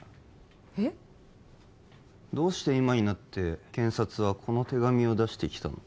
えっ？どうして今になって検察はこの手紙を出してきたのか？